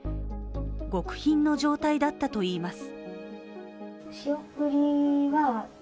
極貧の状態だったといいます。